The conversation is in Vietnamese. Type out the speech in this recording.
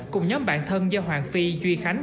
cùng nhóm bạn thân do hoàng phi duy khánh